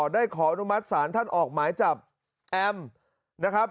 ขออนุมัติศาลท่านออกหมายจับแอมนะครับ